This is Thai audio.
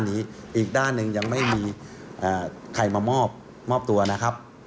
อีกด้านหนึ่งยังไม่มีใครมามอบตัวนะครับ